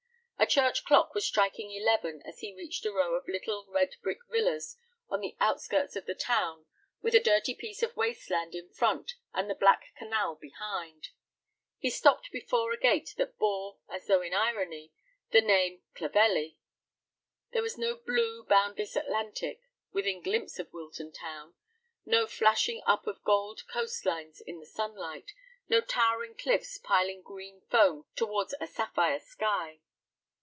A church clock was striking eleven as he reached a row of little, red brick villas on the outskirts of the town, with a dirty piece of waste land in front and the black canal behind. He stopped before a gate that bore, as though in irony, the name "Clovelly." There was no blue, boundless Atlantic within glimpse of Wilton town, no flashing up of golden coast lines in the sunlight, no towering cliffs piling green foam towards a sapphire sky.